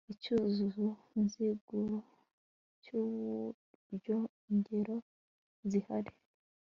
icyuzuzo nziguro cy'uburyoingero zirahari